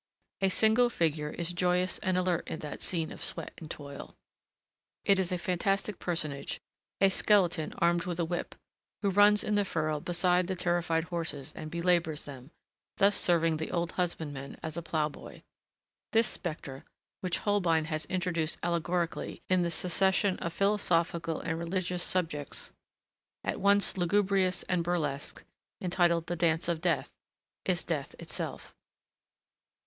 A single figure is joyous and alert in that scene of sweat and toil. It is a fantastic personage, a skeleton armed with a whip, who runs in the furrow beside the terrified horses and belabors them, thus serving the old husbandman as ploughboy. This spectre, which Holbein has introduced allegorically in the succession of philosophical and religious subjects, at once lugubrious and burlesque, entitled the Dance of Death, is Death itself.